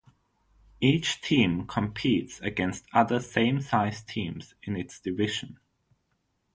Each team competes against other same-sized teams in its division.